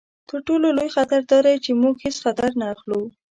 تر ټولو لوی خطر دا دی چې موږ هیڅ خطر نه اخلو.